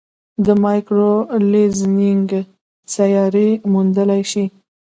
د مایکرو لینزینګ سیارې موندلای شي.